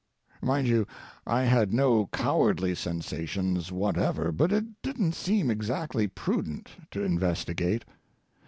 Mind you, I had no cowardly sensations whatever, but it didn't seem exactly prudent to investigate.